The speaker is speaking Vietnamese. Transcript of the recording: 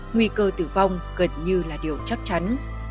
nguy cơ tử vong gần như là điều chắc chắn